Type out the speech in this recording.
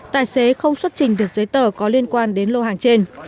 tài xế không xuất trình được giấy tờ có liên quan đến lô hàng trên